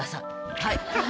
はい。